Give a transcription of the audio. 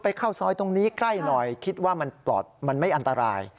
เข้าซอยตรงนี้ใกล้หน่อยคิดว่ามันปลอดมันไม่อันตราย